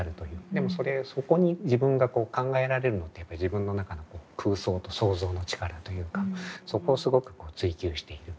でもそれそこに自分が考えられるのって自分の中の空想と創造の力というかそこをすごく追求している。